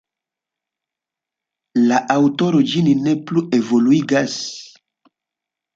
La aŭtoro ĝin ne plu evoluigas.